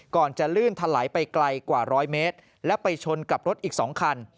ก่อนจะลื่นถลายไปไกลกว่าร้อยเมตรและไปชนกับรถอีก๒คัน